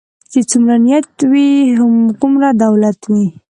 چی څومره نيت وي هغومره دولت وي .